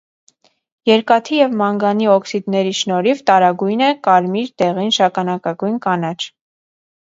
Երկաթի և մանգանի օքսիդների շնորհիվ տարագույն է (կարմիր, դեղին, շագանակագույն, կանաչ)։